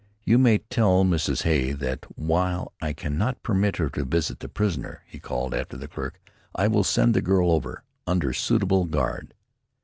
"You may tell Mrs. Hay that while I cannot permit her to visit the prisoner," he called after the clerk, "I will send the girl over under suitable guard."